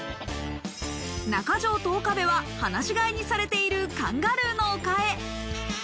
中条と岡部は、放し飼いにされているカンガルーの丘へ。